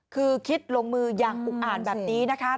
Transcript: คือคิดลงมืออย่างอุกอ่านแบบนี้นะคะ